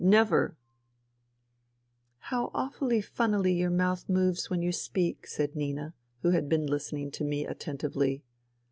Never, ..."'' How awfully funnily your mouth moves when you speak," said Nina, who had been listening to me attentively.